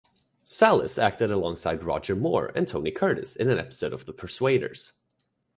Sallis acted alongside Roger Moore and Tony Curtis in an episode of The Persuaders!